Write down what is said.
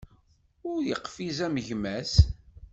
Ur yeqfiz am gma-s.